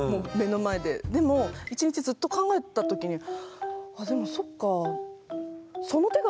でも一日ずっと考えてた時にああでもそっかえ。